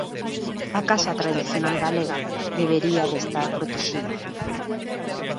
A casa tradicional galega debería de estar protexida.